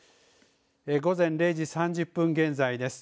午前０時３０分現在です。